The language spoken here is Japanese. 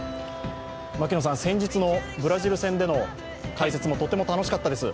先日のブラジル戦での解説もとても楽しかったです。